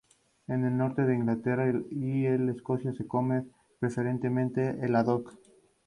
En el norte de Inglaterra y Escocia se come preferentemente el haddock.